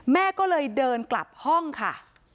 แม่ก็เลยเดินกลับห้องค่ะ